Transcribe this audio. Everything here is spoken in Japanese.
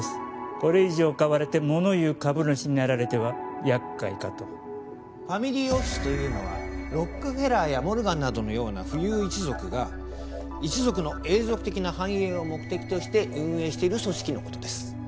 これ以上買われて物言う株主になられてはやっかいかとファミリーオフィスというのはロックフェラーやモルガンなどのような富裕一族が一族の永続的な繁栄を目的として運営している組織のことです